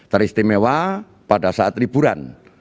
teristimewa pada saat liburan